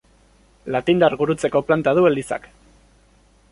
Latindar gurutzeko planta du elizak.